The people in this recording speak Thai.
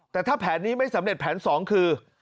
แต่ถ้าแผนนี้ไม่สำเร็จแผนสองคือ